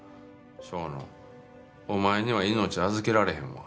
正野お前には命預けられへんわ。